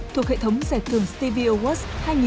thuộc hệ thống giải thưởng stevie awards hai nghìn một mươi chín